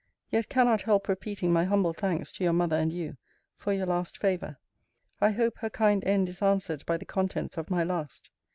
Yet cannot help repeating my humble thanks to your mother and you for your last favour. I hope her kind end is answered by the contents of my last.